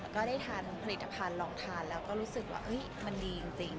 ก็ได้ทานผลิตภัณฑ์ลองทานแล้วก็รู้สึกว่ามันดีจริง